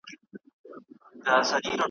خبره د عادت ده `